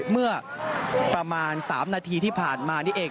เมื่อประมาณ๓นาทีที่ผ่านมานี่เอง